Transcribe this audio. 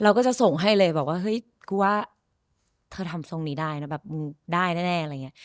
ก็จะส่งให้เลยบอกว่าเฮ้ยกูว่าเธอทำทรงนี้ได้นะแบบมึงได้แน่อะไรอย่างนี้